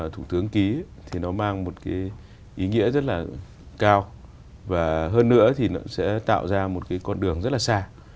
thủ tướng ký thì nó mang một cái ý nghĩa rất là cao và hơn nữa thì nó sẽ tạo ra một cái con đường rất là xa